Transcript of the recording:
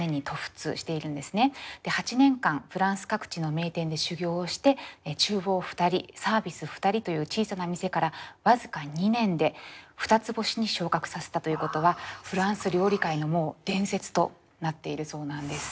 で８年間フランス各地の名店で修業をして厨房２人サービス２人という小さな店から僅か２年で２つ星に昇格させたということはフランス料理界の伝説となっているそうなんです。